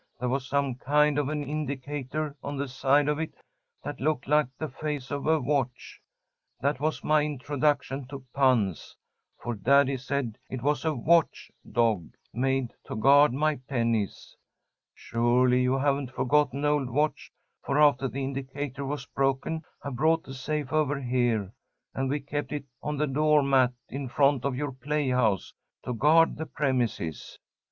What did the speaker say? There was some kind of an indicator on the side of it that looked like the face of a watch. That was my introduction to puns, for Daddy said it was a watch dog, made to guard my pennies. Surely you haven't forgotten old Watch, for after the indicator was broken I brought the safe over here, and we kept it on the door mat in front of your playhouse, to guard the premises."